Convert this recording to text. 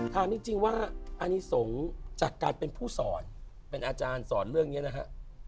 ถามจริงว่าอันนี้สงฆ์จากการเป็นผู้สอนเป็นอาจารย์สอนเรื่องนี้นะฮะ